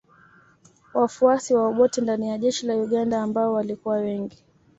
Wafuasi wa Obote ndani ya jeshi la Uganda ambao walikuwa wengi